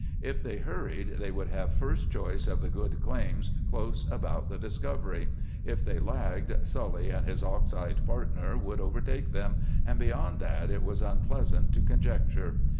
If they hurried they would have first choice of the good claims close about the discovery; if they lagged Sully and his ox eyed partner would overtake them, and beyond that it was unpleasant to conjecture.